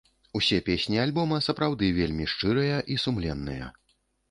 Усе песні альбома сапраўды вельмі шчырыя і сумленныя.